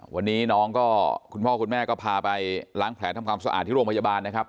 วันนี้น้องก็คุณพ่อคุณแม่ก็พาไปล้างแผลทำความสะอาดที่โรงพยาบาลนะครับ